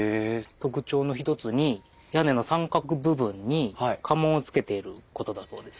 特徴の一つに屋根の三角部分に家紋をつけていることだそうです。